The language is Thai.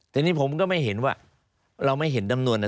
ทีนี้ผมก็ไม่เห็นว่าเราไม่เห็นจำนวนนะ